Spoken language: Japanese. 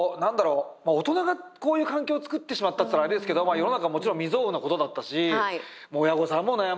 大人がこういう環境を作ってしまったって言ったらあれですけど世の中はもちろん未曽有のことだったし親御さんも悩まれた。